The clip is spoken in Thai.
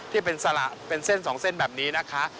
ที่เป็นสละเป็นเส้นสองเส้นแบบนี้นะคะ